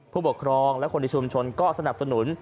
ผู้ปกครองและคนในชุมชนก็สนับสนุน